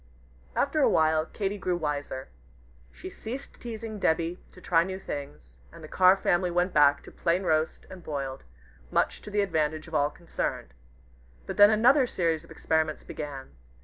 After a while Katy grew wiser. She ceased teasing Debby to try new things, and the Carr family went back to plain roast and boiled, much to the advantage of all concerned. But then another series of experiments began.